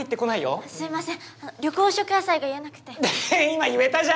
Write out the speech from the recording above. あっすいません。